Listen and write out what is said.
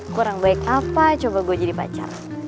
kurang baik apa coba gue jadi pacar